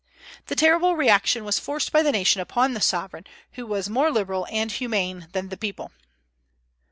The terrible reaction was forced by the nation upon the sovereign, who was more liberal and humane than the people.